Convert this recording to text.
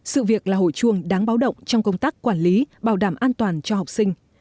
sự việc là hội chuông đáng báo động trong công tác quản lý bảo đảm an toàn cho học sinh